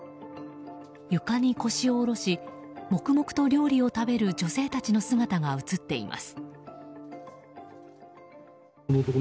床に腰を下ろし黙々と料理を食べる女性たちの姿が映っています。